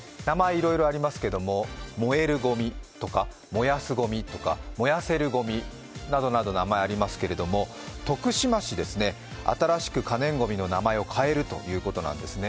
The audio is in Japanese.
いろいろありますけれども燃えるごみとか、燃やすごみとか燃やせるごみなどなど名前ありますけれども、徳島市、新しく可燃ごみの名前を変えるということなんですね。